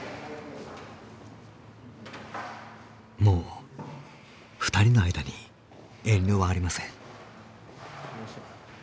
もう２人の間に遠慮はありません。